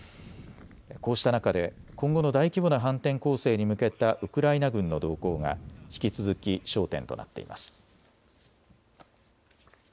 こうした中で今後の大規模な反転攻勢に向けたウクライナ軍の動向が引き続き焦点となっています。